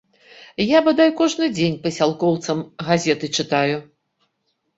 Я бадай кожны дзень пасялкоўцам газеты чытаю.